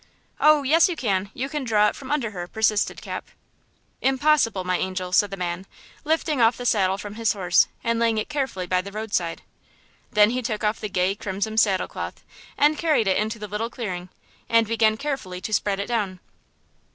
"Oh, yes you can; you can draw it from under," persisted Cap. "Impossible, my angel," said the man, lifting off the saddle from his horse and laying it carefully by the roadside. Then he took off the gay, crimson saddle cloth and carried it into the little clearing and began carefully to spread it down.